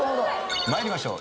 参りましょう。